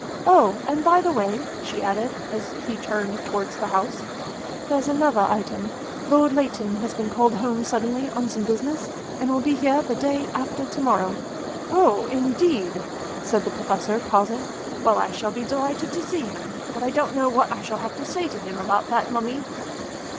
Oh! and, by the way," she added, as he turned towards the house, "there's another item. Lord Leighton has been called home suddenly on some business, and will be here the day after to morrow." "Oh! indeed," said the Professor, pausing. "Well, I shall be delighted to see him but I don't know what I shall have to say to him about that Mummy."